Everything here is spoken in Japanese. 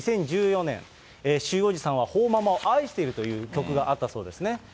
２０１４年、習おじさんは彭ママを愛しているという曲があったそうですね。